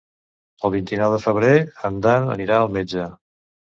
El vint-i-nou de febrer en Dan anirà al metge.